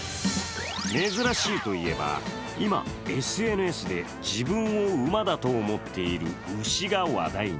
珍しいと言えば今、ＳＮＳで自分を馬だと思っている牛が話題に。